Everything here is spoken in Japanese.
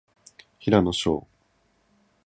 平野紫耀